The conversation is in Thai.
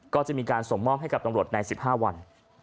ก็จะมีการส่งมอบให้กับตำรวจใน๑๕วัน